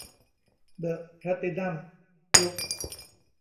เดอะ แพลทินัม กรุ๊ป